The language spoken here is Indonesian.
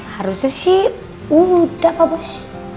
harusnya sih udah kok bos